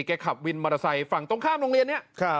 ขับวินมอเตอร์ไซค์ฝั่งตรงข้ามโรงเรียนนี้